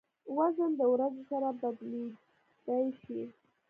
وزن د ورځې سره بدلېدای شي.